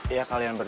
iya kalian berdua